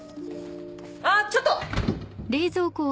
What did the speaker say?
あっちょっと！